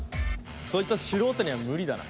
そいつは素人には無理だな。